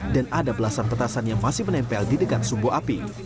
dan ada belasan petasan yang masih menempel di dekat sumbu api